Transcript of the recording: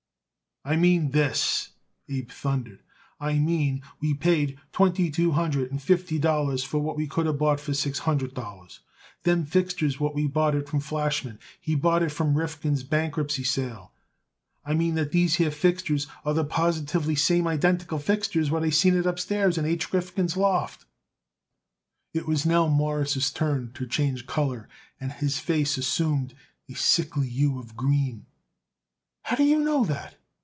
"I mean this," Abe thundered: "I mean, we paid twenty two hundred and fifty dollars for what we could of bought for six hundred dollars. Them fixtures what we bought it from Flachsman, he bought it from Rifkin's bankruptcy sale. I mean that these here fixtures are the positively same identical fixtures what I seen it upstairs in H. Rifkin's loft." It was now Morris' turn to change color, and his face assumed a sickly hue of green. "How do you know that?"